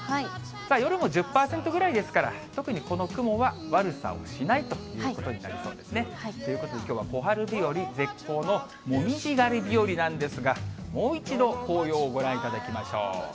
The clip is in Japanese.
夜も１０％ぐらいですから、特にこの雲は悪さをしないということになりそうですね。ということで、きょうは小春日和、絶好のもみじ狩り日和なんですが、もう一度、紅葉をご覧いただきましょう。